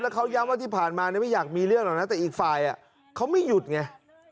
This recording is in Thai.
เขาย้ำว่าที่ผ่านมาไม่อยากมีเรื่องหรอกนะแต่อีกฝ่ายเขาไม่หยุดไง